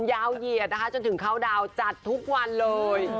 ยาวเหยียดจนถึงเข้าดาวจัดทุกวันเลย